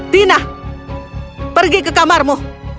tina pergi ke kamarmu